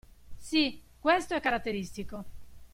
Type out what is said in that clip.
Sì, questo è caratteristico.